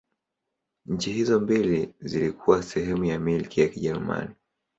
Nchi hizo mbili zilikuwa sehemu ya Milki ya Kijerumani.